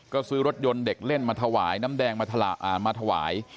ก็ซื้อรถยนต์เด็กเล่นมาถวายน้ำแดงมาถวาย